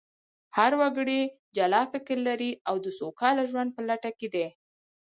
هر وګړی جلا فکر لري او د سوکاله ژوند په لټه کې دی